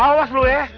woy jangan kabur lu